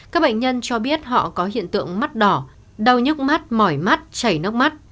các bệnh nhân cho biết họ có hiện tượng mắt đỏ đau nhức mắt mỏi mắt chảy nước mắt